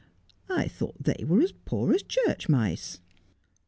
I thought they were as poor as church mice.'